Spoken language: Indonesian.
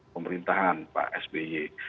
pemerintahan pak sby